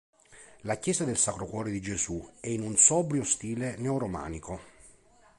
La chiesa del Sacro Cuore di Gesù è in un sobrio stile neoromanico.